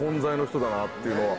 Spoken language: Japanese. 人だなっていうのは。